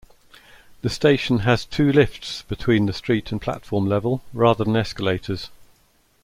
The station has two lifts between the street and platform level, rather than escalators.